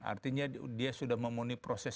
artinya dia sudah memenuhi proses